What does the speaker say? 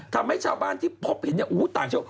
ทำให้ชาวบ้านที่พบเห็นอู้วต่างเช่า